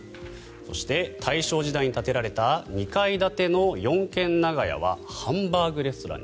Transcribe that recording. そして大正時代に建てられた２階建ての四軒長屋はハンバーグレストランに。